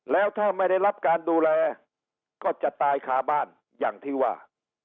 แล้วถ้าไม่ได้รับการดูแลก็จะตายคาบ้านอย่างที่ว่า